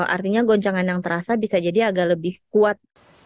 artinya goncangan yang terasa bisa jadi agak lebih kuat